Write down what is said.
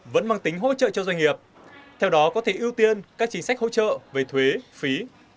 vẫn mang tính hỗ trợ cho doanh nghiệp theo đó có thể ưu tiên các chính sách hỗ trợ về thuế phí